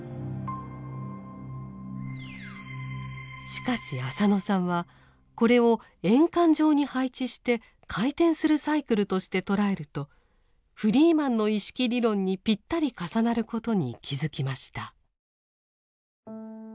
しかし浅野さんはこれを円環上に配置して回転するサイクルとして捉えるとフリーマンの意識理論にぴったり重なることに気づきました。